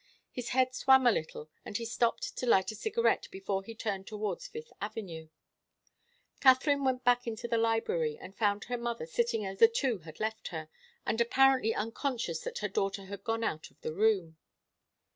His head swam a little, and he stopped to light a cigarette before he turned towards Fifth Avenue. Katharine went back into the library, and found her mother sitting as the two had left her, and apparently unconscious that her daughter had gone out of the room.